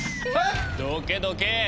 どけどけ！